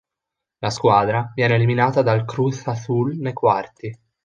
La squadra viene eliminata dal Cruz Azul nei quarti.